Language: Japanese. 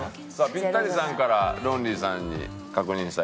ピッタリさんからロンリーさんに確認したい事ありますか？